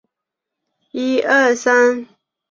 主要为水栖或半水栖。